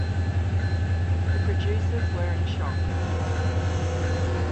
The producers were in shock.